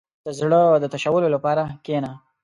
• د زړۀ د تشولو لپاره کښېنه.